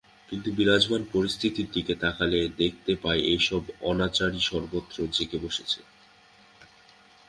কিন্তু বিরাজমান পরিস্থিতির দিকে তাকালে দেখতে পাই এসব অনাচারই সর্বত্র জেঁকে বসেছে।